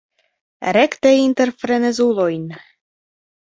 Rekte inter frenezulojn.